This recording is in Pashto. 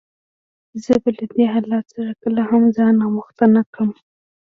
زه به له دې حالت سره کله هم ځان آموخته نه کړم.